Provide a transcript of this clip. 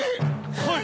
はい。